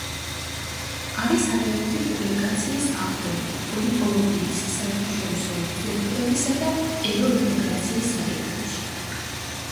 არის არაერთი პუბლიკაციის ავტორი პოლიტოლოგიის, საერთაშორისო ურთიერთობებისა და ევროინტეგრაციის საკითხებში.